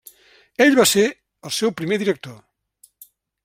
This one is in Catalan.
Ell va ser el seu primer director.